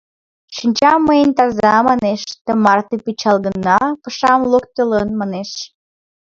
«Шинча мыйын таза, манеш, тымарте пычал гына пашам локтылын», манеш.